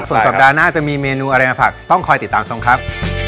ส่วนสัปดาห์หน้าจะมีเมนูอะไรมาฝากต้องคอยติดตามชมครับ